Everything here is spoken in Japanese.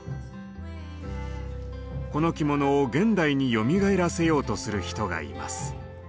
この着物を現代によみがえらせようとする人がいます。